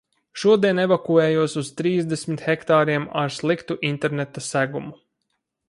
Šodien evakuējos uz trīsdesmit hektāriem ar sliktu interneta segumu.